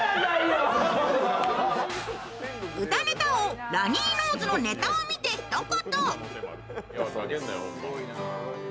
歌ネタ王、ラニーノーズのネタを見てひと言。